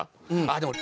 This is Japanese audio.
あっでも。